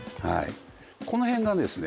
この辺がですね